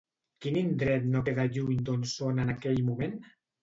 Quin indret no queda lluny d'on són en aquell moment?